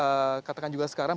saya katakan juga sekarang